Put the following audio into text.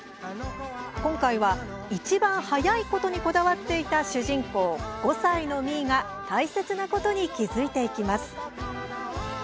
今回は、イチバンはやいことにこだわっていた主人公・５歳のみーが大切なことに気付いていきます。